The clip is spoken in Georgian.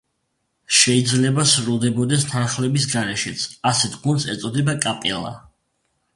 შეიძლება სრულდებოდეს თანხლების გარეშეც; ასეთ გუნდს ეწოდება კაპელა.